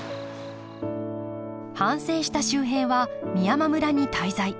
反省した秀平は美山村に滞在。